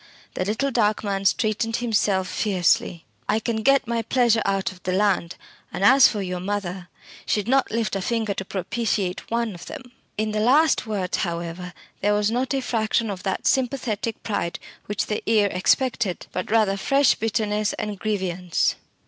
the little dark man straightened himself fiercely "I can get my pleasure out of the land; and as for your mother, she'd not lift a finger to propitiate one of them!" In the last words, however, there was not a fraction of that sympathetic pride which the ear expected, but rather fresh bitterness and grievance.